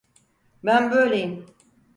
Ben böyleyim.